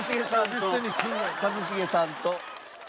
一茂さんと！